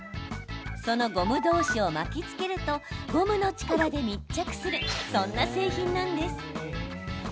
そのゴム同士を巻きつけるとゴムの力で密着するそんな製品なんです。